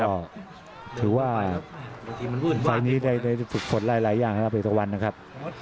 ก็ถือว่าไฟล์นี้ได้ฝึกผลหลายอย่างนะครับเอกตะวันนะครับ